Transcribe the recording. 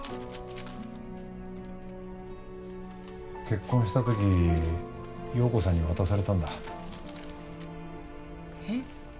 結婚した時陽子さんに渡されたんだえっ